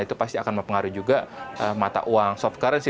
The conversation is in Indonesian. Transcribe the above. itu pasti akan mempengaruhi juga mata uang soft currency